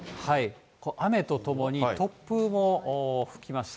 雨とともに突風も吹きまして。